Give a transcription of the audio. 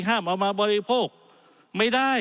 เอามาบริโภคไม่ได้